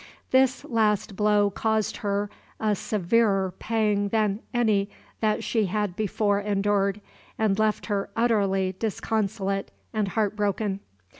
This last blow caused her a severer pang than any that she had before endured, and left her utterly disconsolate and heart broken.